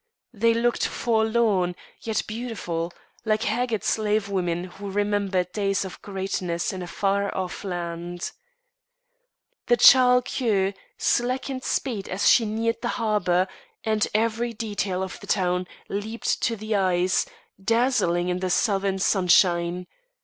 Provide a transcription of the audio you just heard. They looked forlorn, yet beautiful, like haggard slavewomen who remembered days of greatness in a far off land. The Charles Quex slackened speed as she neared the harbour, and every detail of the town leaped to the eyes, dazzling in the southern sunshine.